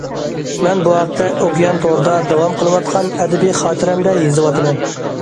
مەن بۇ ھەقتە ئوكيان تورىدا داۋام قىلىۋاتقان ئەدەبىي خاتىرەمدە يېزىۋاتىمەن.